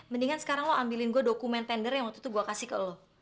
mendingan sekarang lo ambilin gue dokumen tender yang waktu itu gue kasih ke lo